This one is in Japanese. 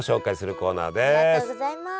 ありがとうございます。